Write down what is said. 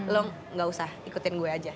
lo gak usah ikutin gue aja